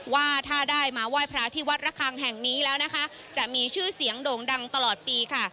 ว่าถ้าได้มาไหว้พระที่วัดระคังแห่งนี้แล้วนะคะจะมีชื่อเสียงโด่งดังตลอดปีค่ะ